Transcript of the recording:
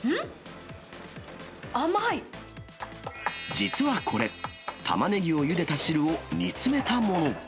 実はこれ、たまねぎをゆでた汁を煮詰めたもの。